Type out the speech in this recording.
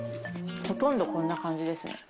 ほとんどこんな感じですね。